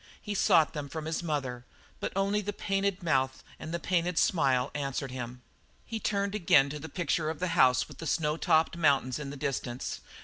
He sought them from his mother, but only the painted mouth and the painted smile answered him. He turned again to the picture of the house with the snow topped mountains in the distance.